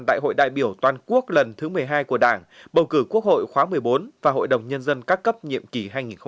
đại hội đại biểu toàn quốc lần thứ một mươi hai của đảng bầu cử quốc hội khóa một mươi bốn và hội đồng nhân dân các cấp nhiệm kỳ hai nghìn hai mươi một hai nghìn hai mươi sáu